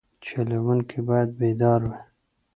چلوونکی باید بیدار وي.